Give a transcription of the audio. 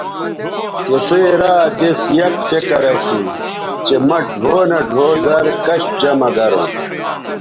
تِسئ را دِس یک فکر اسُو چہء مہ ڙھؤ نہ ڙھؤ زَر کش جمہ گروں